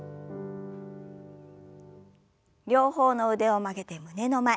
両方の腕を曲げて胸の前。